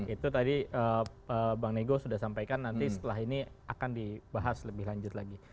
itu tadi bang nego sudah sampaikan nanti setelah ini akan dibahas lebih lanjut lagi